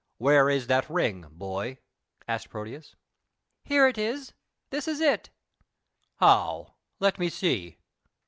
"Where is that ring, boy?" asked Proteus. "Here it is this is it." "How? Let me see.